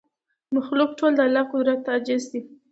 مخلوق ټول د الله قدرت ته عاجز دی